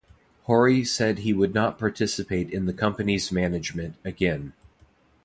Horie said he would not participate in the company's management again.